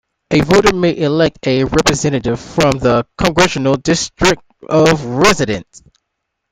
A voter may elect a representative from the congressional district of residence.